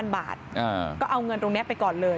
บาทก็เอาเงินตรงนี้ไปก่อนเลย